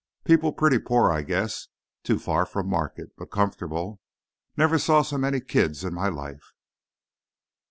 People pretty poor, I guess—too far from market—but comfortable. Never saw so many kids in my life."